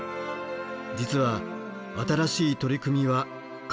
実は新しい取り組みは過去にも。